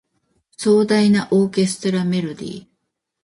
壮大なオーケストラメロディ